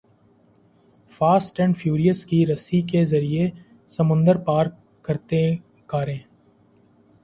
fast and Furious کی رسی کے ذریعے سمندر پار کرتیں کاریں